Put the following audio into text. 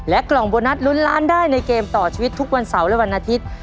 กล่องโบนัสลุ้นล้านได้ในเกมต่อชีวิตทุกวันเสาร์และวันอาทิตย์